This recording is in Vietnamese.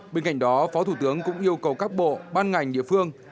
bên cạnh đó phó thủ tướng cũng yêu cầu các bộ ban ngành địa phương